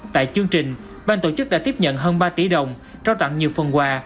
tại chương trình ban tổ chức đã tiếp nhận hơn ba tỷ đồng trao tặng nhiều phần quà